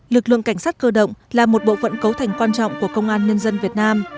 lực lượng cảnh sát cơ động là một bộ phận cấu thành quan trọng của công an nhân dân việt nam